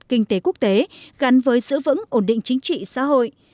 kinh tế quốc tế gắn với giữ vững ổn định chính trị xã hội